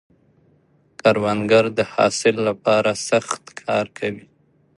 کروندګر د حاصل له پاره سخت کار کوي